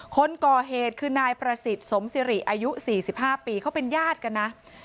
คนก่อเหตุคือนายประสิทธิ์สมสิริอายุ๔๕ปีเขาเป็นญาติกันนะ